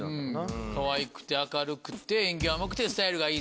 かわいくて明るくて演技派がうまくてスタイルがいい。